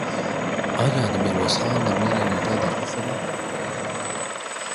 آیا د میرویس خان د مړینې نېټه دقیقه ده؟